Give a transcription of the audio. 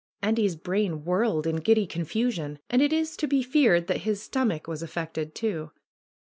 Andy's brain, whirled in giddy confusion, and it is to be feared that his stomach was affected too.